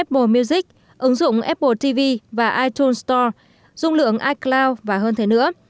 apple music ứng dụng apple tv và ital store dung lượng icloud và hơn thế nữa